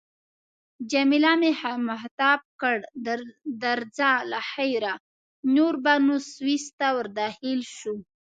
جميله مې مخاطب کړ: درځه له خیره، نور به نو سویس ته ورداخل شو.